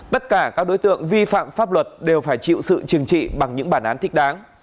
tất cả các đối tượng vi phạm pháp luật đều phải chịu sự trừng trị bằng những bản án thích đáng